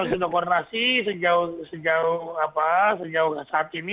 kita sudah koordinasi sejauh saat ini